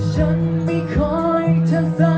ฉันที่มีกลุ่มพิมพ์ไว้